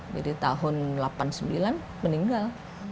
jadi tahun seribu sembilan ratus delapan puluh sembilan meninggal